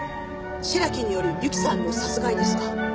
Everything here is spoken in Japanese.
白木によるゆきさんの殺害ですか？